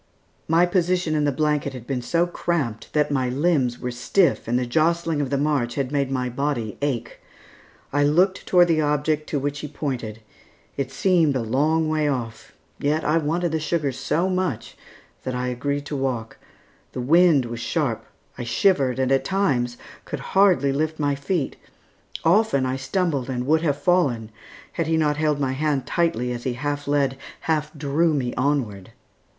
My position in the blanket had been so cramped that my limbs were stiff and the jostling of the march had made my body ache. I looked toward the object to which he pointed. It seemed a long way off; yet I wanted the sugar so much that I agreed to walk. The wind was sharp. I shivered, and at times could hardly lift my feet; often I stumbled and would have fallen had he not held my hand tightly, as he half led, half drew me onward.